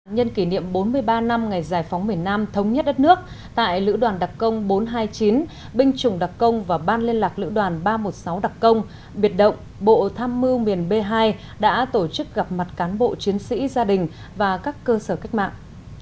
nhân kỷ niệm bốn mươi ba năm ngày giải phóng miền nam thống nhất đất nước tại lữ đoàn đặc công bốn trăm hai mươi chín binh chủng đặc công và ban liên lạc lữ đoàn ba trăm một mươi sáu đặc công biệt động bộ tham mưu miền b hai đã tổ chức gặp mặt cán bộ chiến sĩ gia đình và các cơ sở cách mạng